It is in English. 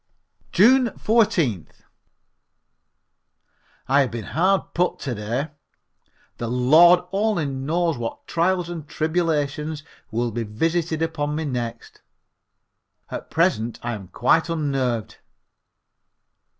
June 14th. I have been hard put to day. The Lord only knows what trials and tribulations will be visited upon me next. At present I am quite unnerved.